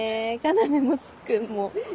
要もスッくんも。